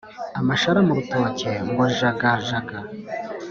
amashara mu rutoke ngo jagajaga